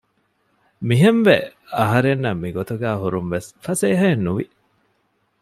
މިހެންވެ އަހަރެންނަށް މިގޮތުގައި ހުރުން ވެސް ފަސޭހައެއް ނުވި